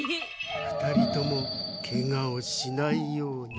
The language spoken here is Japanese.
２人ともケガをしないように。